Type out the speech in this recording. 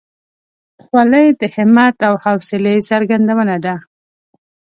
خولۍ د همت او حوصلې څرګندونه ده.